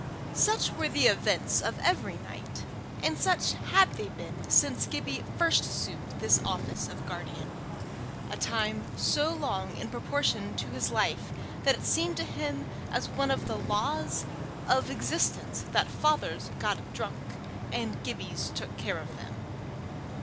Such were the events of every night, and such had they been since Gibbie first assumed this office of guardian a time so long in proportion to his life that it seemed to him as one of the laws of existence that fathers got drunk and Gibbies took care of them.